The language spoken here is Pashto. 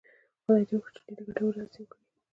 خدای دې وکړي چې ډېرې ګټورې هڅې وکړي.